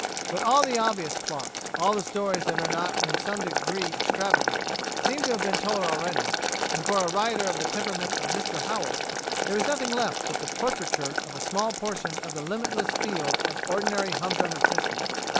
But all the obvious plots, all the stories that are not in some degree extravagant, seem to have been told already, and for a writer of the temperament of Mr Howells, there is nothing left but the portraiture of a small portion of the limitless field of ordinary humdrum existence.